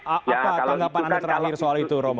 apa tanggapan anda terakhir soal itu romo